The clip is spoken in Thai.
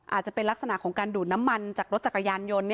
อาจจะเป็นลักษณะของการดูดน้ำมันจากรถจักรยานยนต์